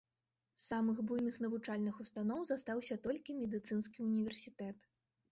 З самых буйных навучальных устаноў застаўся толькі медыцынскі універсітэт.